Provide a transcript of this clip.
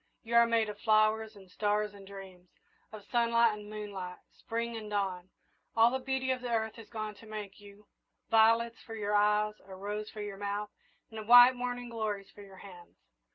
You are made of flowers and stars and dreams of sunlight and moonlight, Spring and dawn. All the beauty of the earth has gone to make you violets for your eyes, a rose for your mouth, and white morning glories for your hands.